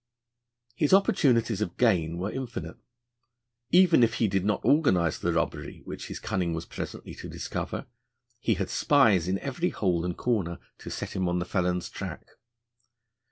His opportunities of gain were infinite. Even if he did not organise the robbery which his cunning was presently to discover, he had spies in every hole and corner to set him on the felon's track.